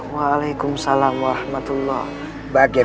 waalaikumsalam warahmatullahi wabarakatuh